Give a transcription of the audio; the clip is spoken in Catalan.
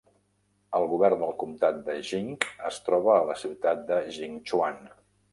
El govern del comtat de Jing es troba a la ciutat de Jingchuan.